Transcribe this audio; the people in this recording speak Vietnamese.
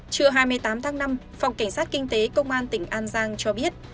trưa hai mươi tám tháng năm phòng cảnh sát kinh tế công an tỉnh an giang cho biết